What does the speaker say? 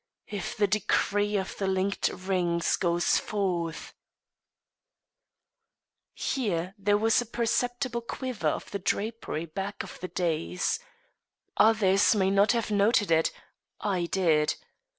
if the decree of the linked rings goes forth _" Here there was a perceptible quiver of the drapery back of the dais. Others may not have noted it; I did.